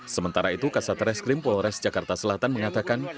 sementara itu kasateres krim polores jakarta selatan mengatakan